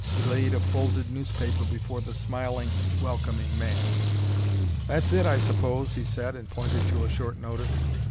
He laid a folded newspaper before the smiling, welcoming man. "That's it, I suppose," he said, and pointed to a short notice.